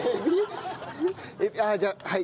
じゃあはい